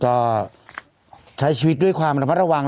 ก็ใช้ชีวิตด้วยความระมัดระวัง